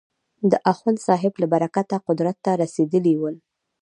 د اخوندصاحب له برکته قدرت ته رسېدلي ول.